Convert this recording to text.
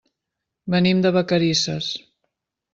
Venim de Vacarisses.